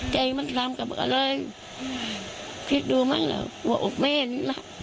ใจมันทำกับอะไรคิดดูมั้งเหรอว่าอบแม่นี้ล่ะ